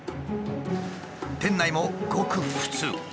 店内もごく普通。